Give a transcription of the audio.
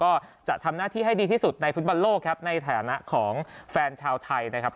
แต่จะทำหน้าที่ให้ดีที่สุดในฟุตบันโลกในฐานะของแฟนชาวไทย